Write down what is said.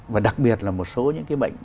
và đặc biệt là một số những cái bệnh